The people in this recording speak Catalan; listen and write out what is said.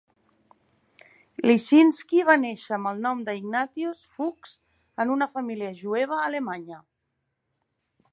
Lisinski va néixer amb el nom de Ignatius Fuchs en una família jueva alemanya.